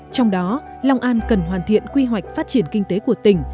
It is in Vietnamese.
trong đó long an cần hoàn thiện quy hoạch phát triển kinh tế của tỉnh